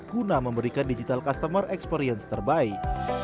guna memberikan digital customer experience terbaik